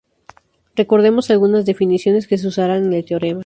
Recordemos algunas definiciones que se usarán en el teorema.